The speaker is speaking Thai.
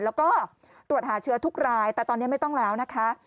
แล้วก็ตรวจหาเชื้อทุกรายแต่ตอนนี้ไม่ต้องแล้วนะคะ